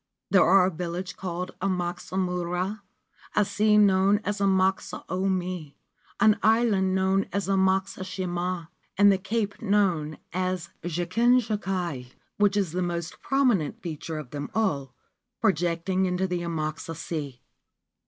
There are a village called Amakusa mura, a sea known as Amakusa umi, an island known as Amakusa shima, and the Cape known as Joken Zaki, which is the most prominent feature of them all, projecting into the Amakusa sea.